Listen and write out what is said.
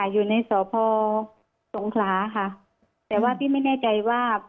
อยู่ในสพสงขลาค่ะแต่ว่าพี่ไม่แน่ใจว่า